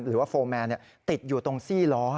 หรือว่าโฟร์แมนเนี่ยติดอยู่ตรงซี่ล้อ